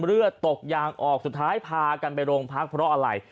เลือดตกยางออกสุดท้ายพากันไปโรงพักเพราะอะไร